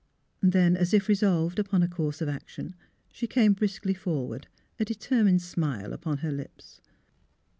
Then, as if resolved upon a course of action, she came briskly forward, a determined smile upon her lips.